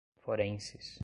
forenses